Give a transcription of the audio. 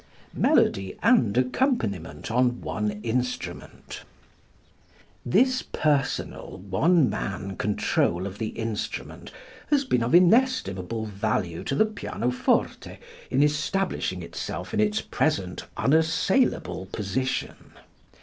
Melody and Accompaniment on One Instrument. This personal, one man control of the instrument has been of inestimable value to the pianoforte in establishing itself in its present unassailable position.